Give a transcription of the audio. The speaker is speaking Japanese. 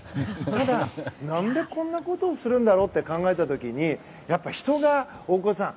ただ、何でこんなことをするんだろうって考えた時にやっぱり人が大越さん